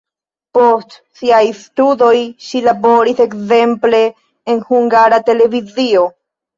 Post siaj studoj ŝi laboris ekzemple en Hungara Televizio.